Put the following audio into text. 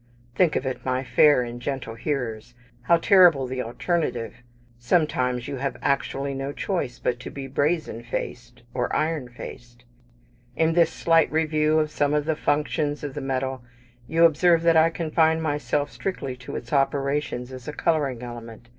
Think of it, my fair and gentle hearers; how terrible the alternative sometimes you have actually no choice but to be brazen faced, or iron faced! In this slight review of some of the functions of the metal, you observe that I confine myself strictly to its operations as a colouring element.